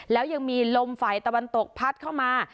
แล้วยังมีลมฝ่ายตะวันตกพัดเข้ามา